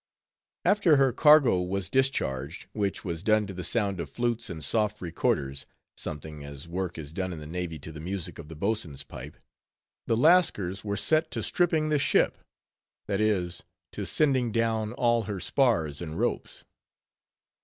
After her cargo was discharged, which was done "to the sound of flutes and soft recorders"—something as work is done in the navy to the music of the boatswain's pipe—the Lascars were set to "stripping the ship" that is, to sending down all her spars and ropes.